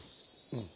うん。